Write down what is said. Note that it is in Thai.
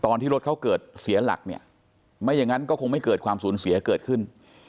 ตอนที่รถเขาเกิดเสียหลักเนี่ยไม่อย่างนั้นก็คงไม่เกิดความสูญเสียเกิดขึ้น